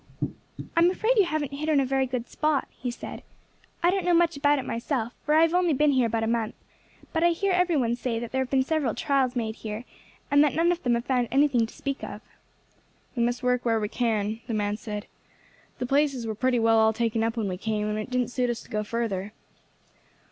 "I am afraid you haven't hit on a very good spot," he said. "I don't know much about it myself, for I have only been here about a month; but I hear every one say that there have been several trials made here, and that none of them have found anything to speak of." "We must work where we can," the man said. "The places were pretty well all taken up when we came, and it didn't suit us to go further."